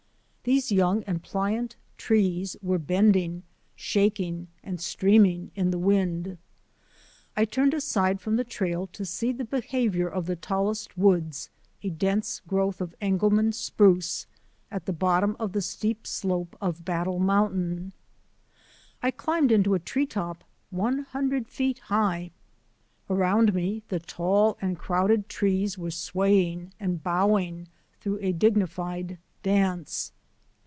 These young and pliant trees were bending, shaking, and streaming in the wind. I 78 WIND RAPIDS ON THE HEIGHTS 79 turned aside from the trail to see the behaviour of the tallest woods, a dense growth of Engelmann spruce, at the bottom of the steep slope of Battle Mountain. I climbed into a tree top one hundred feet high. Around me the tall and crowded trees were sway ing and bowing through a dignified dance.